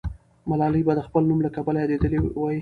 ملالۍ به د خپل نوم له کبله یادېدلې وي.